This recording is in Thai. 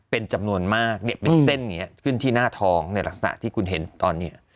เป็นจำนวนมากเนี่ยเป็นเส้นอย่างนี้ขึ้นที่หน้าท้องในลักษณะที่คุณเห็นตอนนี้